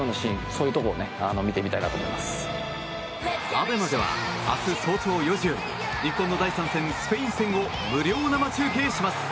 ＡＢＥＭＡでは明日早朝４時より日本の第３戦、スペイン戦を無料生中継します。